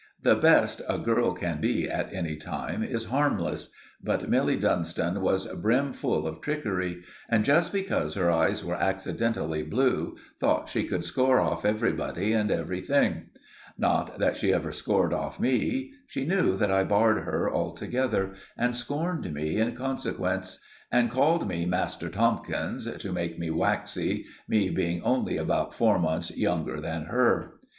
The best a girl can be at any time is harmless; but Milly Dunstan was brimful of trickery, and, just because her eyes were accidentally blue, thought she could score off everybody and everything. Not that she ever scored off me. She knew that I barred her altogether, and scorned me in consequence, and called me "Master Tomkins" to make me waxy, me being only about four months younger than her.